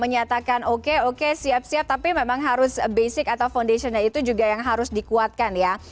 menyatakan oke oke siap siap tapi memang harus basic atau foundationnya itu juga yang harus dikuatkan ya